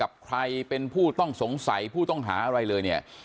กับใครเป็นผู้ต้องสงสัยผู้ต้องหาอะไรเลยเนี่ย